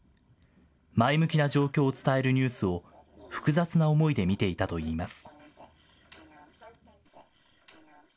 前向きな状況を伝えるニュースを、複雑な思いで見ていたといいます。